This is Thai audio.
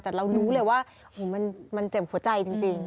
แต่เรารู้เลยว่ามันเจ็บหัวใจจริง